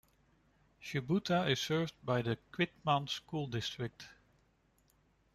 Shubuta is served by the Quitman School District.